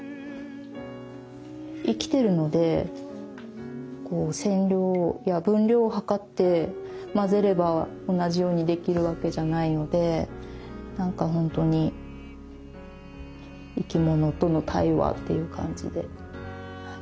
生きてるので染料や分量をはかって混ぜれば同じようにできるわけじゃないので何かほんとに生き物との対話っていう感じで。